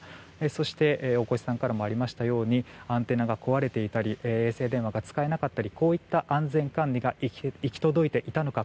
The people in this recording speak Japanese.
そして、大越さんからもありましたようにアンテナが壊れていたり衛星電話が使えなかったりこういった安全管理が行き届いていたのか。